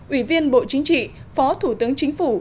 ủy viên bộ chính trị phó thủ tướng chính phủ